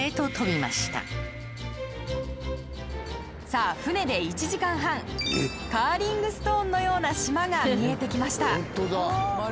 さあ船で１時間半カーリングストーンのような島が見えてきました。